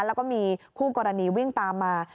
แล้วก็มีคู่กรณีวิ่งตามมา